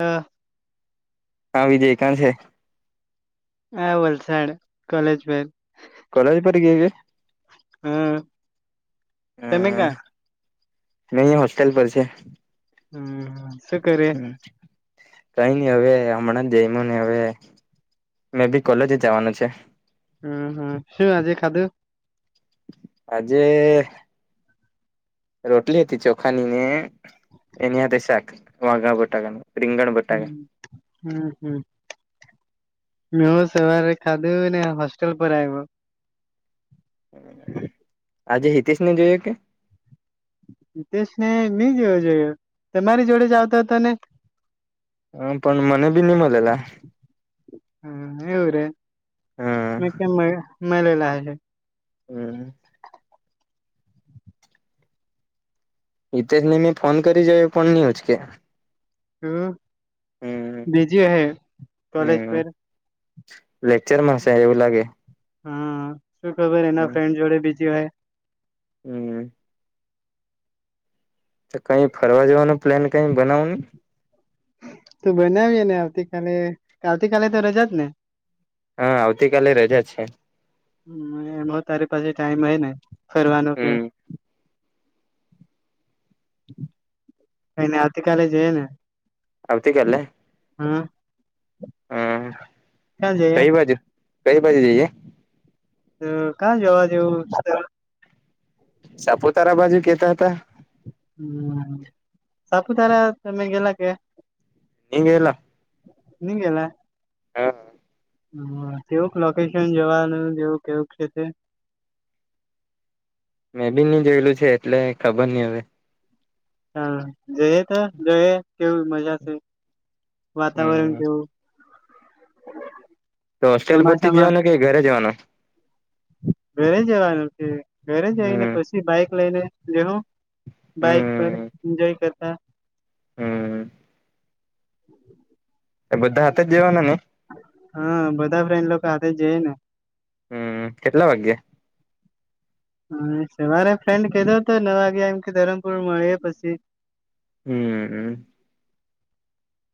હા હા વિજય કાં છે? હા વલસાડ કોલેજ ભર કોલેજ પરી એવી હમ હમ અહિયાં હોસ્ટેલ પર છે. હમ શું કરે હમ કઈ નઈ હવે હમણાં જ જઈ્યું નહી હવે મે બી કોલેજ જવાનું છે. હમ હમ શું આજે ખાધું? આજે રોટલી હતી ચોખાની ને એનીયા શાક વાઘા બટાકાનું. રીંગણ બટાકા હમ હમ હમ મે સવા ખાધ ને હોસ્ટેલ પરા આવવ આજે હિતેશ ને જોઈએ કે? હિતેશ ને નહી જેવો જોયો તમારી જોડે જ આવતો હતો ને. હ પણ મને બી નિની મળલેલા. હમ એવું રે મેં હમ કેમ મળલા હશે હમ [unintelligible] તે જ ને મેં ફોન કરી જોયો પણ નિ ઉચકે - હમ બીઝી હસે કોલેજ પર- લેક્ચર માણસ એવું લાગે- હમ શું ખબર એના ફ્રેન્ડ જોડે બીજી હોય. હમ તો કઈ ફરવા જવાનું પ્લાન કઈ બનાવનું તું બનાવીય ને આવતી કલે આવતી કાલે તો રજા જ ને? હા આવતીકાાલે રજા છે. હમ એમાં તારી પાસે ટાઈમ હો ને ફરવાનો કે હમ કને આવતી કલે જ ને- આવતીકાલે- હમ- હમ કઈ બાજુ કઈ બાજે જઈએ- તો ક્યાં જવા જેવું- સાપુતારા બાજુ કેતા હતા- હમ સાપુતારા તમે ગેલા કે- ની ગેલા- નિ ગેલા - હા- હમ તેવુંક લોકેશન જવાનું જેવું કેવું છે તે- મેં બી નહી જોયેલું છે એટલે ખબર નહ હવે- હા જય તો જય કેવું મજા છે વાતાવરણ હમ કેવું- તો હોસ્ટેલ પરતી ચોમાસામાં જવાનો કે ઘરે જવાનો- ઘરે જવાનું છે ઘરે જઈને હમ કો- બાઈક લઈને જહો બાઈક હમ એન્જોય કરતા- હમ એ બધા હાથે જવાના ને- હા બધા ફ્રેન્ડ લોકો સાથેાથે જ જઈ ને- હમ કેટલા વાગે- હ સવારે ફ્રેન્ડ કધો હતો નવા વાગ્યા એમ કે ધરમપુર મળીયે પછી- હમ હ-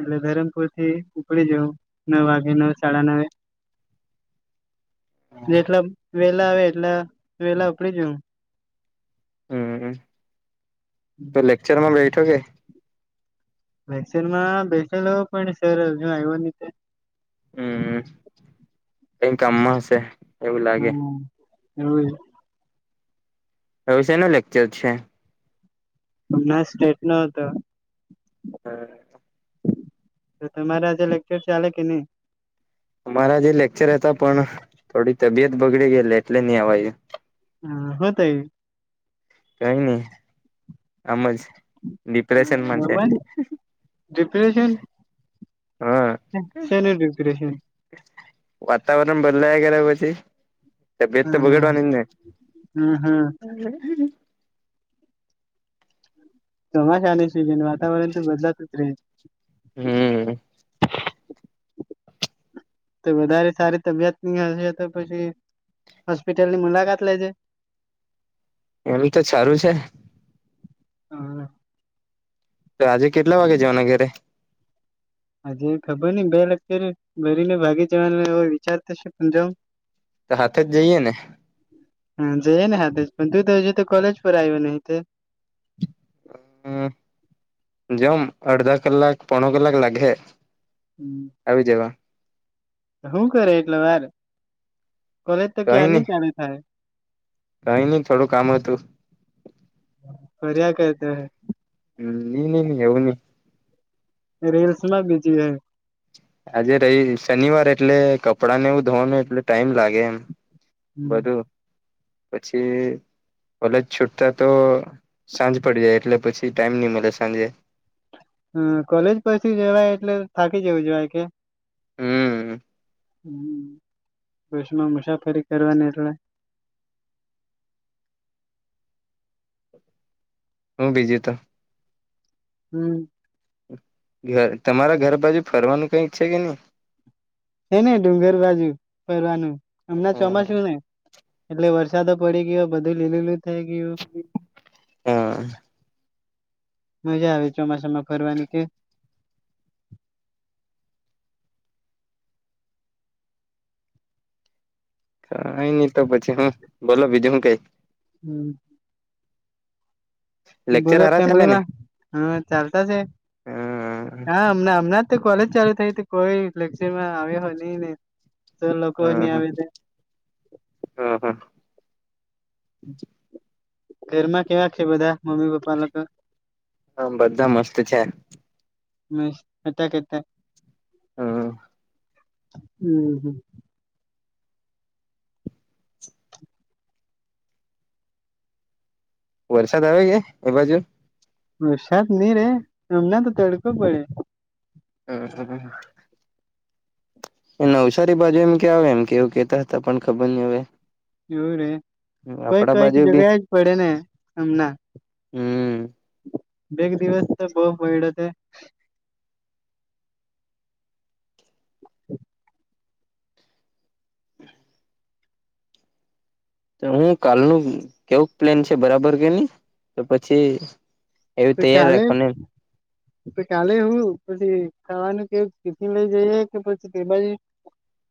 એટલે ધરમપુર થી ઉપડી જવું નવ વાગે નવ સાડા નવે- [inaudible] જેટલા વેલા આવે એટલા વેલા ઉપડી જાઉં - હમ તો લેક્ચરમાં બેઠો કે- વેક્સિન માં બેસેલો પણ સર હજુ આવ્યો તે- હમ કઈકમમાં હશે- એવું લાગે હમ એવું- એ વિશે ન લેક્ચર છે. હમણાં સ્ટેટ નો હતો- હ [unintelligible] તો તમારા આજે લેક્ચર ચાલે કે નહી- અમારા જે લેક્ચર હતા પણ થોડી તબિયત બગડી ગયે એટલે નહી આવ્યું. હમ હો તઈ- કઈ નહી આમજ ડિપ્રેશનમાં છે. થયું શેનું હા ડિપ્રેશનિપ્રેશન? વાતાવરણ બદલાય કર્યારે પછી- તબિયત તો હમ બગડવાની ને - હમ વરસાદની સિઝન, વાતાવરણ તો બદલાતું જ રહે. હમ તો વધારે સારી તબિયત ની હશે, તો પછી, હોસ્પિટલની મુલાકાત લેજે! એમ તો સારું છે હા તો આજે કેટલા વાગે જવાના ઘેરે? હજે ખબર નઈ બે લૅકચર ભરીને ભાગી જવાનું એ વિચાર થશે પન જોવ- તો હાથે જ જઈએ ને- હા જઈ નને હ પણ તું ત હજી તો કોલેજ પર આવીું નહી- હમ જેમ અડધા કલાક પોણ કલાક લાગે- હમ- આવી જવા- શું કરે એકટલે વાર કોલેજ તો કઈ ક્યાર નઈ ની ચાલુ થઈ. કઈ નહી થોડું કામ હતું. ફર્યા કરશે અ ની, ની, ની એવું ની. રિલ્સ માં બીજી, હેં? આજે રહી શનિવાર, એટલે કપડાં ને એવું ધોવાનું એટલે ટાઈમ લાગે એમ. બધું, પછી, કોલેજ છૂટતા તો સાંજ પડી જાય, એટલે પછી ટાઈમ નહી મલે સાંજે હમ, કોલેજ પછી જવાય એટલે, થાકી જેવું જવાય કે? હમ હમ, બશમાં મુશાફરી કરવાની, એટલે? હું બીજી તો? હમ ઘર, તમારા ઘર બાજુ ફરવાનું કઈ છે કે નઈ? હે ને, ડુંગર બાજુ ફરવાનું, હમણાં ચોમાસું ને! એટલે વરસાદો પડી ગયો બધું લીલુ લુ. થઈ ગ્યુ. હા મજા આવે, ચોમાસામાં ફરવાની કે? કઈ નઈ તો પછી હું, બોલો બીજું હું કઈ? હમ લેક્ચર બોલો, હારા ચાલે ને ફેમલીમાં હમ ચાલતા છે? હમ હામ હમના જ તે કોલેજ ચાલુ થઈતી? કોઈ લૅકચરમા આવે હો ની ને, જો લોકોની હ આવી દે હ હ ઘરમાં કેવા છે બધા મમ્મી પપ્પ હ બધા મસ્ત છે. મસ્ત હતા કતા. હા હમ, હમ વરસાદ આવે કે? એ બાજુ? વરસાદ ની રે, હમણાં તો તડકો પડે. ઉ હ હ નવશારી બાજુ એમ કે આવે, એમ કેવું કેતા હતા પણ ખબર ની હવે. એવું રે, કઈક આપડા કઈક બાજુ બી જગ્યા જ પડે ને, હમનાં! હમ બેક દિવસ તો બહુ પઈડો તે તો હું કાલનું કેવું પ્લેન છે? બરાબર કે ની? તો પછી એવું ત તૈયાર કાલે રાખવાનું એમ તો કાલે હુ, પછી ખાવાનું કેવું, ક તીફીન લઈ જઈએ કે પછી તે બાજુ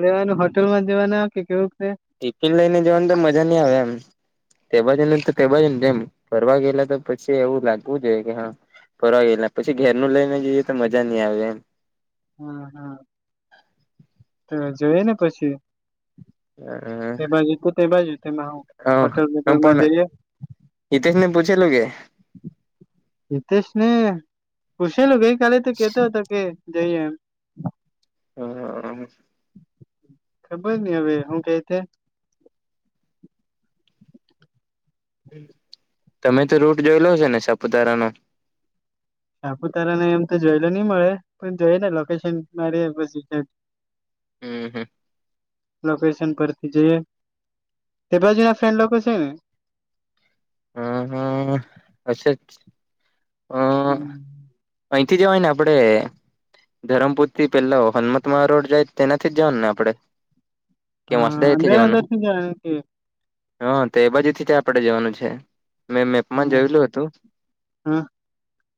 લે, હોટલમાં જવાને કે કેવું ક છે? ટિફિન લઈને જવાનું તો મજા ની આવે, એમ. તે બાજુનુ તો તે બાજુનું, તેમ, ફરવા ગયેલા તો પછી એવું લાગવું જોઈએ કે હા. ફરવા ગયેલા, પછી ઘેરનું લઈને જઈએ તો મજા નહીં આવે એમ. હ હ તો જોઈ ને પછી તે બાજુ તો તે બાજુ તેમા હું હોટલ બોટલમાં જઈએ. હિતેસ ને પૂછેલું કે? હિતેશને પૂછેલું ગઈ કાલે તો કેતો હતો કે જઈએ એમ. હા ખબર ની હવે હું કેઈ છે? તમે તો રૂટ જોયેલો છે ને સાપુતારાનો? સાપુતારા ને એમ તો જોયલુ ની મળે પણ જોઈએ ને લોકેશન મારયે પછી હમ હમ લોકેશન પરથી જઈએ તે બાજુના ફ્રેન્ડ લોકો છે ને હ હા અશે જ હમ્મ અહીંથી જવાય ને આપડે ધરમપુર થી પેલા હનમત મહા રોડ જાય તેનાથી જ જવાનું ને આપડે કે હા વાસદાએથી અંદર જવાનું અંદર થી જવાનું કે હ તે બાજુથી જ આપડે જવાનું છે. મેં મેપમા જોયેલું હતું. હા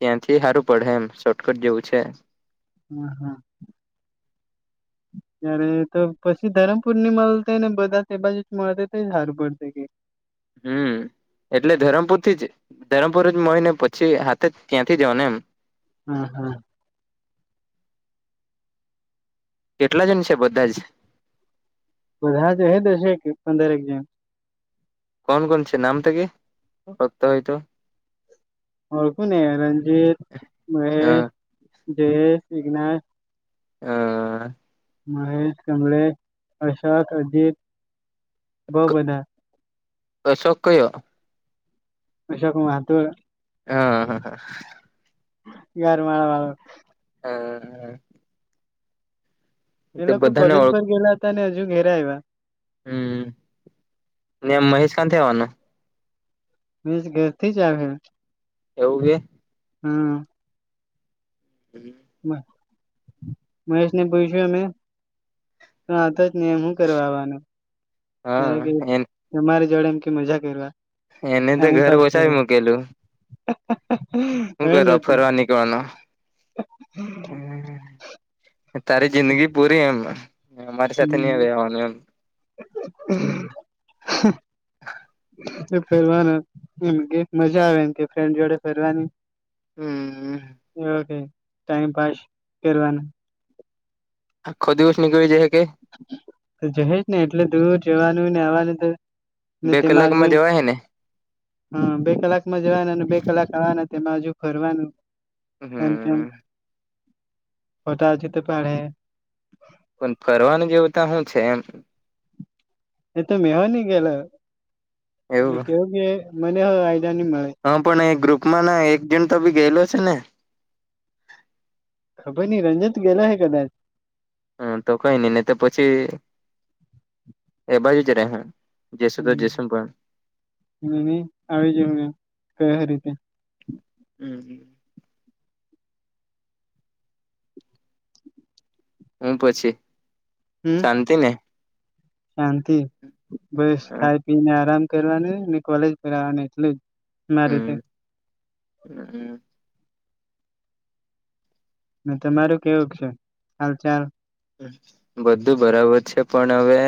ત્યાંથી હારું પડહે એમ શોર્ટકટ જેવું છે. હા હા. ત્યારે તો પછી ધરમ પૂર્ણિમા હતા ને બધા તે બાજુ મળતે તો હારું પડતે કે હમ એટલે ધરમપુર થી જ ધરમપુર જ મળીને પછી હાથે ત્યાંથી જવા ને એમ હમ્મ હા કેટલા જન છે, બધા જ બધા જોહ દસેક પંદર એક જણ કોણ કોણ છે નામ તો કે [unintelligible] હોય તો ઓળખો ને રંણજીત, હ મહેશ, જયેશ, એકનાથ, હા મહેશ, કમલેશ, અશોક, અજીત, બો હ બધા અશોક કયો? અશોક મહતો હા હા ઘેરવાળ વાળો હા હા એ લોકો બધાને કોલેજ પર ઓળખ ગેલા હતા અને અજુ ઘેરે આયવા હમ ને મહેશ કા થી આવાનું? મહેસ ઘર થી જ આવહે એવુંકે હમ પહિ મહેશને પૂયછું અમે તું આવતો નહી એમ શું કરવા આવવાનું? જ્યારે કે હા તમારી જોડે એમ કે મજા કરવા એને તો ટાઈમ ઘર પાસ ઓછાવી કરવા [inaudible] હુ હે ને કરવા તો ફરવા નીકળવાનો? [inaudible] તારી જિંદગી પૂરી એમ અમારી સાથે નહીં હમ રહેેવાનું એમ. [inaudible] ફરવાનું એમ કે મજા આવે એમ કે ફ્રેન્ડ જોડે ફરવાની. હમ ઓવુકે ટાઈમ પાસ કરવાનું આખો દીવસ નીકળી જે હે કે? તો જહેજ ને એટલે દૂર જવાનું ને આવવાનું તો. ને બે તેમાંજ કલાકમાં જવાય હે ને હા બે કલાકમાં જવાના અને બે કલાક આવવાના તેમાં હજુ ફરવાનું હમ [unintelligible] બધા આજે તો પાડ હે પણ ફરવાનું કેવું તા હું છે એમ. એ તો મેહો ની ગયલો એટલે એવું કેવું કે મને હો આઈડા ની મળે. હા પણ એ ગ્રુપ માં ના એક જણ તો બી ગયેલો છે, ને ખબર નહી રંણજીત ગેલો હે કદાચ હમ તો કઈ નઈ ને તો પછી એ બાજુ જ રે હુ ની ની આવી જવા મે કય હો રીતે હમ હ હું પછી હમ શાંતિ ને? શાંતિ બસ ખાઈ પી ને આરામ કરવાનું ને કોલેજ પર આવવાનું એટલું જ. મારું તો હમ ને તમારું કેવુંક છે હાલ ચાલ. બધું બરાબર છે પણ હવે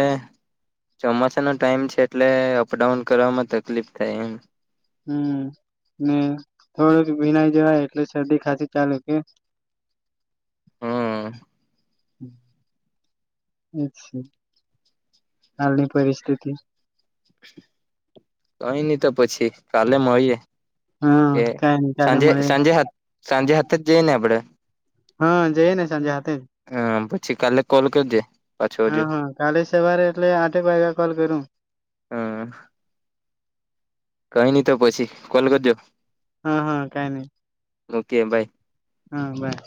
ચોમાસાનો ટાઈમ છે એટલે અપડાઉન કરવામાં તકલીફ થાય એમ. હમ્મ ને થોડુંક ભીનાઈ જવાય એટલે શરદી ખાસી ચાલુ કે. હમ્મ. અચ્છા હાલની પરિસ્થિતિ [inaudible] કઈ ની તો પછી કાલે મળીએ. હા કે કાઈ નઈ કાલે સાંજે મળે સાંજે સાંજે હાથે જ જઈ ને આપડે. હા જઈએ ને સાંજે હાથે હમ પછી કાલે કોલ કરજે. પાછો હજુ હા હા કાલે સવારે એટલે આઠેક વાગે કોલ કરું. હા. કઈ ની તો પછી કોલ કરજો. હા હા કાઈ ની. ઓકે બાય હા બાય